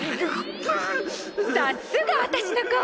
さすが私の子！